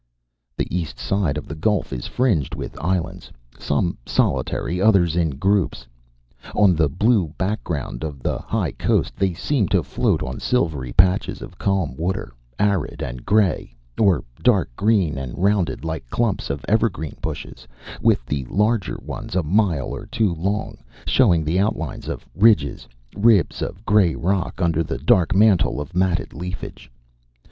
The east side of the gulf is fringed with islands, some solitary, others in groups. On the blue background of the high coast they seem to float on silvery patches of calm water, arid and gray, or dark green and rounded like clumps of evergreen bushes, with the larger ones, a mile or two long, showing the outlines of ridges, ribs of gray rock under the dark mantle of matted leafage.